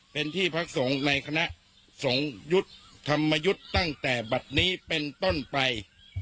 เป็นที่พักสงฆ์ในคณะสงฆ์ยุทธ์ธรรมยุทธ์ตั้งแต่บัตรนี้เป็นต้นไป